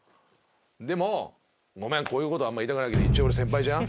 でもごめんこういう事あんまり言いたくないけど一応俺先輩じゃん？